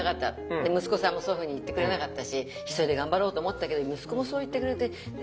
で息子さんもそういうふうに言ってくれなかったし一人で頑張ろうと思ったけど息子もそう言ってくれてと思います私。